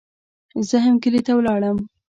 زه هم کلي ته ولاړم.